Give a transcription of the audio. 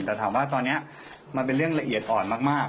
แต่ถามว่าตอนนี้มันเป็นเรื่องละเอียดอ่อนมาก